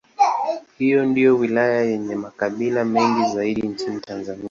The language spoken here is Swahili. Hii ndiyo wilaya yenye makabila mengi zaidi nchini Tanzania.